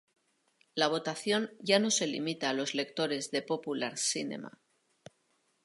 La votación ya no se limita a los lectores de "Popular Cinema".